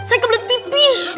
saya kebelet pipi